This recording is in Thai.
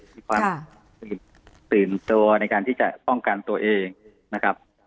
มีความตื่นตัวในการที่จะป้องกันตัวเองนะครับ